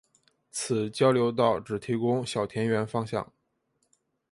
此交流道只提供小田原方向。